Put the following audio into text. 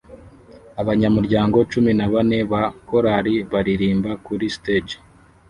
Abanyamuryango cumi na bane ba korari baririmba kuri stage